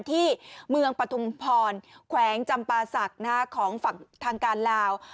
ที่เมืองปฐุมพรแขวงจำปาศักดิ์ของฝั่งทางการลาว